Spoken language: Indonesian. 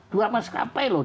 dua mas kapai loh